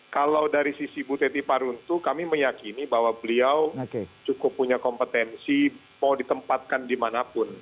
kalau dari sisi bu teti paruntu kami meyakini bahwa beliau cukup punya kompetensi mau ditempatkan dimanapun